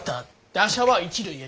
打者は一塁へ。